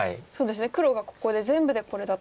黒がここで全部でこれだったので。